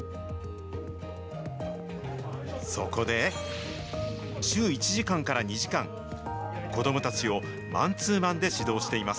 そこで、週１時間から２時間、子どもたちをマンツーマンで指導しています。